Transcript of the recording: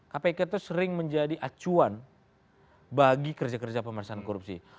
kpk itu sering menjadi acuan bagi kerja kerja pemerintahan korupsi